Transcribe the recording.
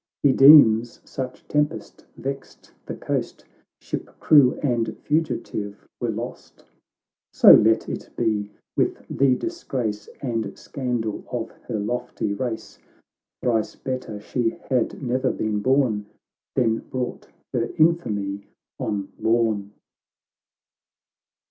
He deems— such tempest vexed the coast — Ship, crew, and fugitive, were lost. — So let it be, with the disgrace And scandal of her lofty race ! Thrice better she had ne'er been born, Than brought her infamy on Lorn